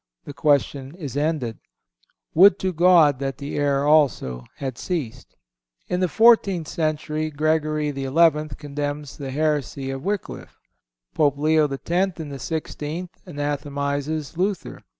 The question is ended. Would to God that the error also had ceased." In the fourteenth century Gregory XI. condemns the heresy of Wycliffe. Pope Leo X., in the sixteenth, anathematizes Luther.